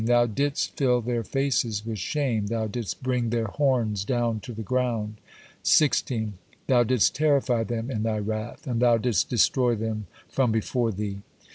Thou didst fill their faces with shame, Thou didst bring their horns down to the ground. 16. Thou didst terrify them in Thy wrath, and thou didst destroy them from before Thee.